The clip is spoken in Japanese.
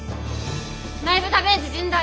内部ダメージ甚大。